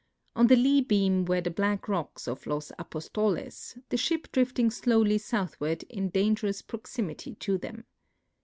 On the lee beam were the black rocks of Los Apostoles, the ship drifting slowly southward in dangerous proximity to them.